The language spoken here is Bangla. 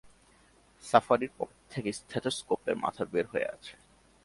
সাফারির পকেট থেকে ষ্টেথোসকোপের মাথা বের হয়ে আছে!